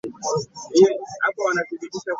Ondabanga ataliiwo naye mbalaba.